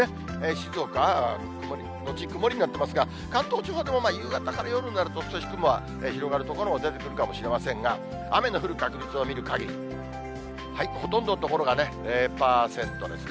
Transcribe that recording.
静岡は後曇りになってますが、関東地方でも夕方から夜になると、少し雲が広がる所も出てくるかもしれませんが、雨の降る確率を見るかぎり、ほとんどの所が０％ですね。